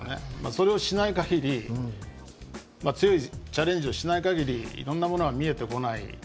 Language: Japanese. それをしない限り強いチャレンジをしない限りいろんなものは見えてこない。